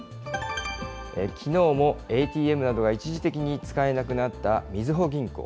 きのうもＡＴＭなどが一時的に使えなくなったみずほ銀行。